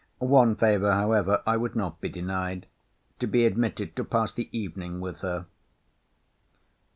One favour, however, I would not be denied, to be admitted to pass the evening with her.